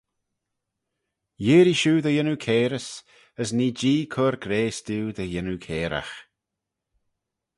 Yeearree shiu dy yannoo cairys as nee Jee chur grayse diu dy yannoo cairagh.